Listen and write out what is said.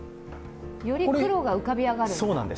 より黒が浮かび上がる？